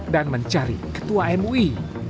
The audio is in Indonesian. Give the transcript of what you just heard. dan mencari ketua mui